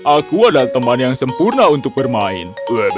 aku adalah teman yang sempurna untuk bermain